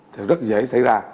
thì rất dễ xảy ra